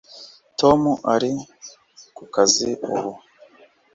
tom ari ku kazi ubu